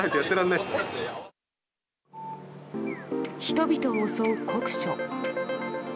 人々を襲う酷暑。